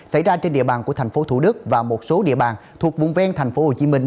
xảy ra trên địa bàn của thành phố thủ đức và một số địa bàn thuộc vùng ven thành phố hồ chí minh